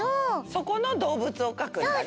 そこのどうぶつをかくんだね。